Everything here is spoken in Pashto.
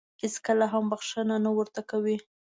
هېڅکله هم بښنه نه ورته کوي .